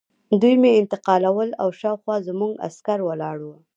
دوی مې انتقالول او شاوخوا زموږ عسکر ولاړ وو